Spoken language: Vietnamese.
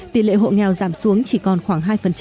tỷ lệ hộ nghèo giảm xuống chỉ còn khoảng hai